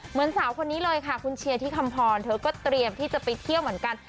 เหมือนสาวคนนี้เลยค่ะคุณเชียร์ที่คำพรเธอก็เตรียมที่จะไปเที่ยวเหมือนกัน